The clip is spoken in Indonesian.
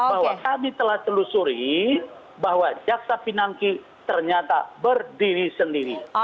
bahwa kami telah telusuri bahwa jaksa pinangki ternyata berdiri sendiri